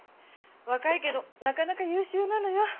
若いけどなかなか優秀なのよ。